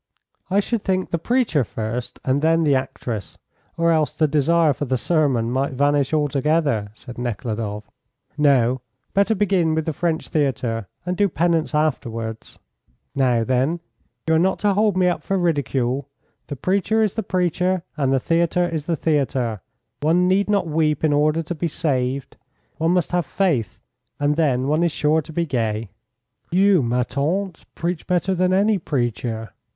"I should think the preacher first and then the actress, or else the desire for the sermon might vanish altogether," said Nekhludoff. "No; better begin with the French Theatre, and do penance afterwards." "Now, then, you are not to hold me up for ridicule. The preacher is the preacher and the theatre is the theatre. One need not weep in order to be saved. One must have faith, and then one is sure to be gay." "You, ma tante, preach better than any preacher."